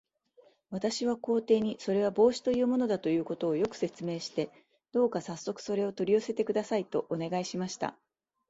私は皇帝に、それは帽子というものだということを、よく説明して、どうかさっそくそれを取り寄せてください、とお願いしました。